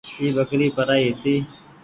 اي ٻڪري پرآئي هيتي۔